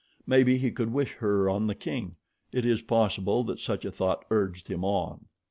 Maybe he could wish her on the king it is possible that such a thought urged him on.